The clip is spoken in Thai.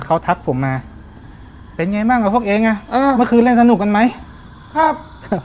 เขาทักผมมาเป็นไงบ้างกับพวกเองอ่ะเออเมื่อคืนเล่นสนุกกันไหมครับ